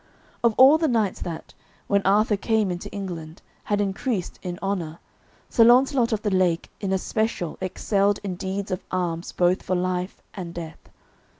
Of all the knights that, when Arthur came into England, had increased in honour, Sir Launcelot of the Lake in especial excelled in deeds of arms both for life and death.